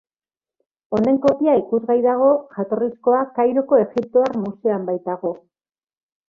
Honen kopia ikusgai dago, jatorrizkoa, Kairoko Egiptoar Museoan baitago.